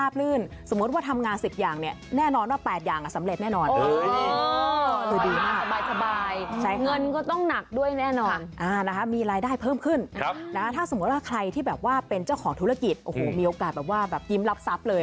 เป็นเจ้าของธุรกิจโอ้โหมีโอกาสแบบว่าแบบยิ้มรับทรัพย์เลย